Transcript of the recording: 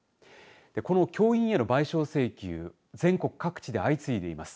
この教諭への賠償請求全国各地で相次いでいます。